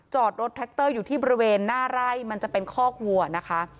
จอดรถแท็กเตอร์อยู่ที่บริเวณหน้าไร่มันจะเป็นคอกวัวนะคะ